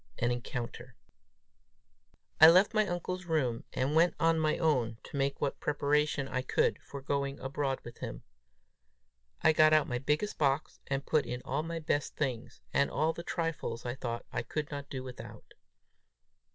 AN ENCOUNTER. I left my uncle's room, and went to my own, to make what preparation I could for going abroad with him. I got out my biggest box, and put in all my best things, and all the trifles I thought I could not do without.